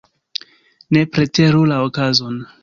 Ne preteru la okazon.